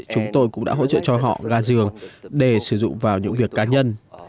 chúng tôi cũng đã hỗ trợ cho họ gà giường để sử dụng vào những việc cá nhân